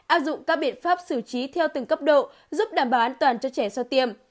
áp dụng các biện pháp xử trí theo từng cấp độ giúp đảm bảo an toàn cho trẻ sau tiêm